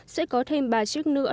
sẽ có thêm ba chiếc nữa